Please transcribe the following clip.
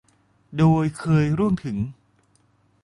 โดยเคยร่วงถึง